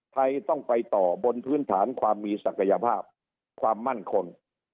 ไทยต้องไปต่อบนพื้นฐานความมีศักยภาพความมั่นคง